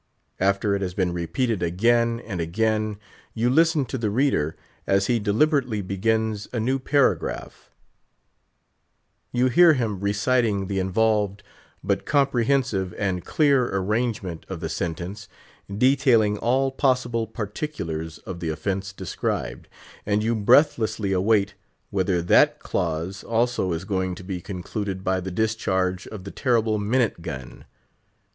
After it has been repeated again and again, you listen to the reader as he deliberately begins a new paragraph; you hear him reciting the involved, but comprehensive and clear arrangement of the sentence, detailing all possible particulars of the offence described, and you breathlessly await, whether that clause also is going to be concluded by the discharge of the terrible minute gun.